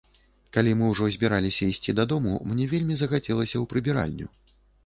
Калі мы ўжо збіраліся ісці дадому, мне вельмі захацелася ў прыбіральню.